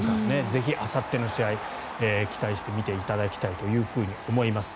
ぜひ、あさっての試合期待して見ていただきたいと思います。